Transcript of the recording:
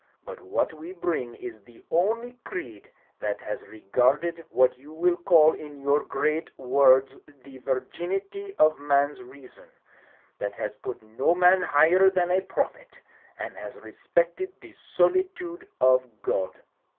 But what we bring is the only creed that has regarded what you will call in your great words the virginity of a man's reason, that has put no man higher than a prophet, and has re spected the solitude of God.'